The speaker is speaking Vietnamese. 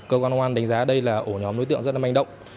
cơ quan công an đánh giá đây là ổ nhóm đối tượng rất là manh động